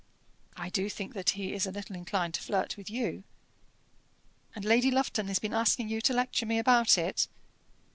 "I do think that he is a little inclined to flirt with you." "And Lady Lufton has been asking you to lecture me about it?"